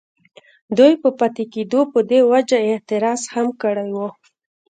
ددوي پۀ پاتې کيدو پۀ دې وجه اعتراض هم کړی وو،